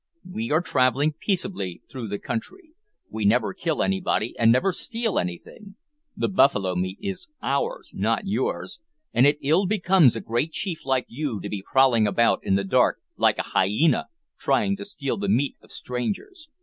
We are travelling peaceably through the country; we never kill anybody, and never steal anything; the buffalo meat is ours, not yours, and it ill becomes a great chief like you to be prowling about in the dark, like a hyena, trying to steal the meat of strangers.